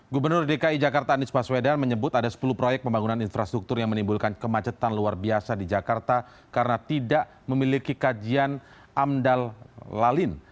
gubernur dki jakarta anies baswedan menyebut ada sepuluh proyek pembangunan infrastruktur yang menimbulkan kemacetan luar biasa di jakarta karena tidak memiliki kajian amdal lalin